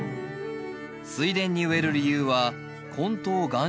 水田に植える理由は根頭がん